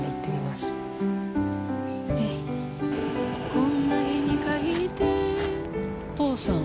こんな日に限って、お父さん？